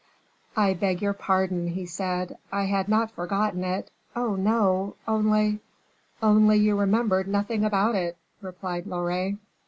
"I beg your pardon," he said, "I had not forgotten it; oh, no! only " "Only you remembered nothing about it," replied Loret.